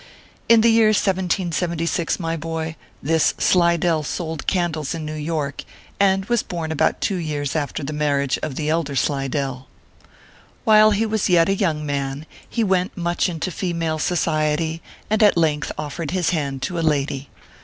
In the year 1776, my boy, this Slidell sold candles in New York, and was born about two years after the marriage of the elder SlidelL While he was yet a 134 ORPHEUS C. KERR PAPERS. young man, he went much into female society, and at length offered his hand to a lady.